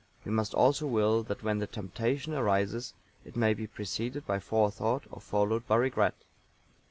We must also will that when the temptation arises it may be preceded by forethought or followed by regret.